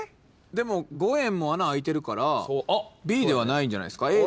でも五円も穴開いてるからＢではないんじゃないですか。